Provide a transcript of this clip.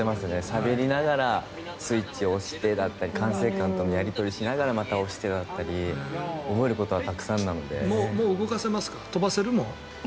しゃべりながらスイッチを押してだったり管制官とやり取りしながらまた押してだったりもう動かせますか？